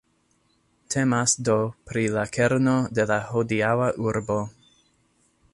Temas do pri la kerno de la hodiaŭa urbo.